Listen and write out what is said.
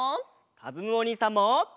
かずむおにいさんも！